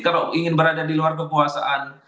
kalau ingin berada di luar kekuasaan